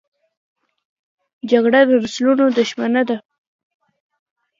جګړه د نسلونو دښمنه ده